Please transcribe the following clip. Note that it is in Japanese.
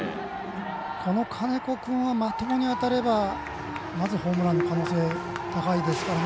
金子君はまともに当たればまずホームランの可能性が高いですからね。